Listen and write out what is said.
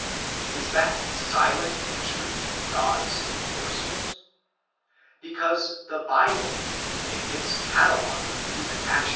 Is that silent entry God's indorsement? Because the Bible, in its catalogue of human actions.